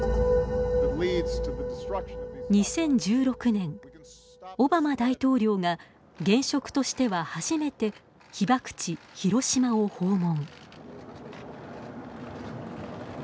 ２０１６年、オバマ大統領が現職としては初めて被爆地・広島を訪問。